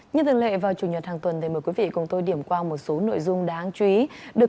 như thường lệ vào chủ nhật hàng tuần thì mời quý vị cùng tôi điểm qua một số nội dung đáng chú ý